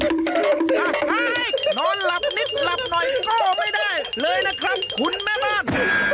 นอนหลับนิดหลับหน่อยก็ไม่ได้เลยนะครับคุณแม่บ้าน